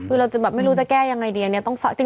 คือเราจะแบบไม่รู้จะแก้ยังไงดีอันนี้